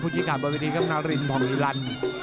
ผู้ชิดขาดบริษฐีกรรมนารินผ่องอิรัน